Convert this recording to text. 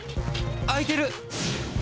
空いてる！